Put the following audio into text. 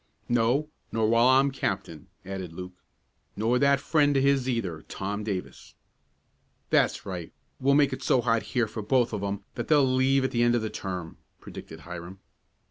"No, nor while I'm captain," added Luke. "Nor that friend of his either, Tom Davis." "That's right; we'll make it so hot here for both of 'em that they'll leave at the end of the term," predicted Hiram.